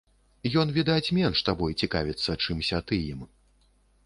Ён, відаць, менш табой цікавіцца, чымся ты ім.